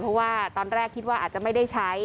เพราะว่าตอนแรกคิดว่าอาจจะไม่ได้ใช้